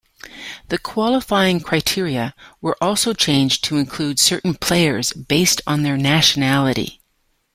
The qualifying criteria were also changed to include certain players based on their nationality.